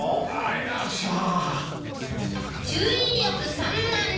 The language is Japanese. あっさあ。